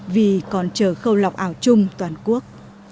vì còn chờ khâu lọc ảo chung toàn quốc